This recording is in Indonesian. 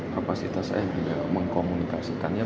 kapasitas saya juga mengkomunikasikannya